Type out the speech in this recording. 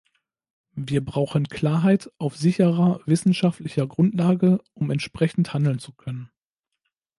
Wir brauchen Klarheit auf sicherer wissenschaftlicher Grundlage, um entsprechend handeln zu können.